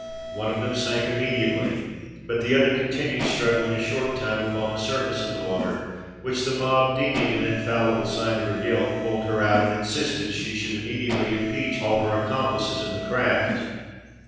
One of them sank immediately, but the other continued struggling a short time upon the surface of the water, which the mob deeming an infallible sign of her guilt, pulled her out, and insisted that she should immediately impeach all her accomplices in the craft.